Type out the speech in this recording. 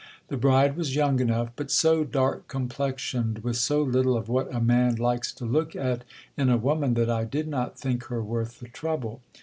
The bride was young enough ; but so dark complexioned, with so little of what a man likes to look at in a woman, that I did not think her worth the trouble.